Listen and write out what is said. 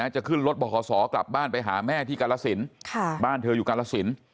จะขึ้นรถบขศกลับบ้านไปหาแม่ที่กาลสินบ้านเธออยู่กาลสิน